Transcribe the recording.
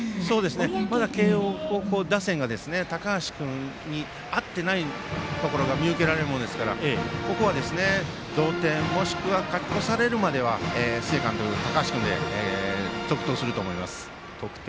まだ慶応高校打線が高橋君に合っていないところが見受けられるものですからここは同点もしくは勝ち越されるまでは高橋君で続投すると思います。